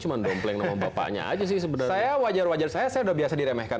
cuma dompleng sama bapaknya aja sih sebenarnya saya wajar wajar saya saya udah biasa diremehkan